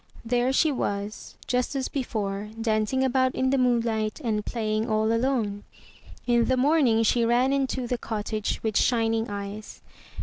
There she was just as before, dancing about in the moonlight and playing all alone. In the morning she ran into the cottage with shining eyes.